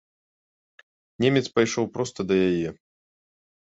Немец пайшоў проста да яе.